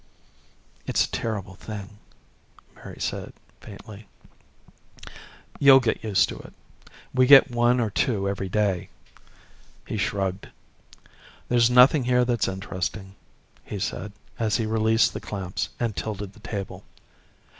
"It's a terrible thing," Mary said faintly. "You'll get used to it. We get one or two every day." He shrugged. "There's nothing here that's interesting," he said as he released the clamps and tilted the table.